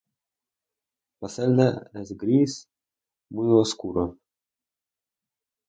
La celda es gris muy oscuro.